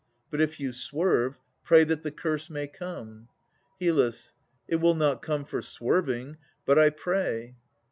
But if you swerve, pray that the curse may come. HYL. It will not come for swerving: but I pray.